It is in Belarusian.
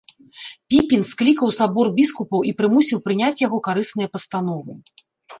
Піпін склікаў сабор біскупаў і прымусіў прыняць яго карысныя пастановы.